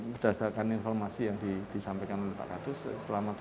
berdasarkan informasi yang disampaikan pak ratu